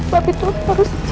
tapi itu harus jadi